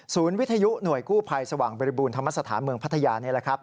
วิทยุหน่วยกู้ภัยสว่างบริบูรณธรรมสถานเมืองพัทยานี่แหละครับ